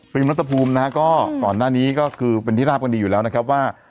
ฟิล์มแล้วจะปูมนะฮะก่อนหน้านี้ก็คือเป็นที่ราบกันดีอยู่แล้วนะครับว่า